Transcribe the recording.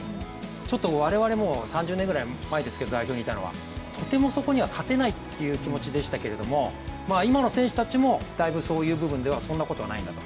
ちょっと我々、代表にいたのは３０年ぐらい前ですけどとてもそこには勝てないっていう気持ちでしたけども今の選手たちもだいぶ、そういう部分ではそんなことないんだと。